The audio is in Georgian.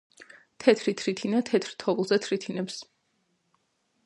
თეთრი თრითრინა თეთრ თოვლზე თრითნებს